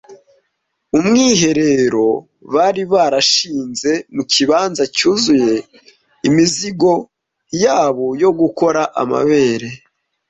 Umwiherero bari barashinze mu kibanza cyuzuye imizigo yabo yo gukora amabere,